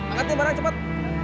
angkatin barangnya cepet